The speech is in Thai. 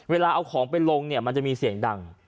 เวลาเอาของไปลงเนี่ยมันจะมีเสียงดัง